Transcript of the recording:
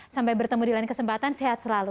sampai bertemu di lain kesempatan sehat selalu